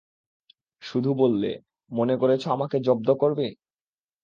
শুধু বললে, মনে করেছ আমাকে জব্দ করবে?